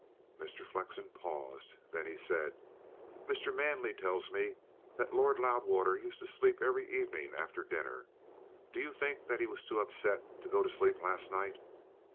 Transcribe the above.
Mr. Flexen paused; then he said: "Mr. Manley tells me that Lord Loudwater used to sleep every evening after dinner. Do you think that he was too upset to go to sleep last night?"